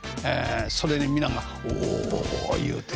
それに皆が「おお！」言うてね。